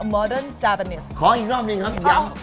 ขออีกรอบครับ